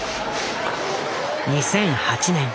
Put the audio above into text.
２００８年。